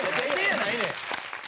やないねん。